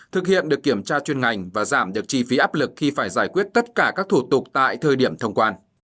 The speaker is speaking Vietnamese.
thực hiện được kiểm tra chuyên ngành và giảm được chi phí áp lực khi phải giải quyết tất cả các thủ tục tại thời điểm thông quan